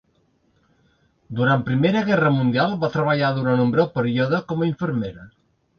Durant Primera Guerra Mundial va treballar durant un breu període com a infermera.